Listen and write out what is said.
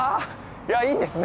いやいいんですね。